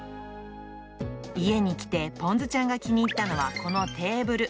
家に来て、ぽんずちゃんが気に入ったのは、このテーブル。